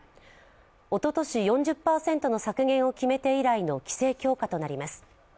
おととし４０％の削減を決めて以来の規制強化となります。